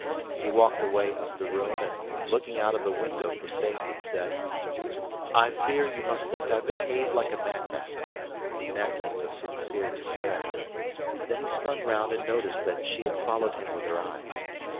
He walked away up the room and, looking out of the window for safety, said: "I fear you must think I behaved like a madman," in accents of sincere despair.... Then he spun round and noticed that she had followed him with her eyes.